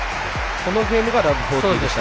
このゲームが０−４０でした。